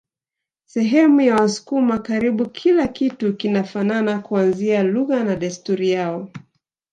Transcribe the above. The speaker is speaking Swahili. Sehemu ya wasukuma karibu kila kitu kinafanana kuanzia lugha na desturi yao